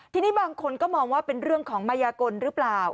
ทีนี้บางคนก็มองว่าเป็นเรื่องของมายากลหรือเปล่า